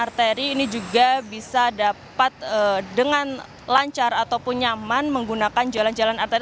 arteri ini juga bisa dapat dengan lancar ataupun nyaman menggunakan jalan jalan arteri